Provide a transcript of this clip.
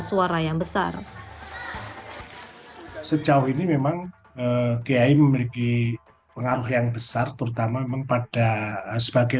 suara yang besar sejauh ini memang kiai memiliki pengaruh yang besar terutama memang pada sebagai